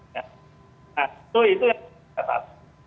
nah itu yang saya katakan